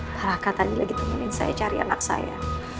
para akak tadi lagi temenin saya cari anak saya